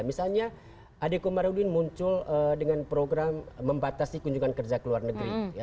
misalnya adeko marudin muncul dengan program membatasi kunjungan kerja ke luar negeri